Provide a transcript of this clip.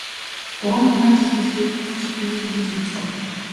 Гурван мянган жилийн тэртээд чи түүнийг ингэж орхисон.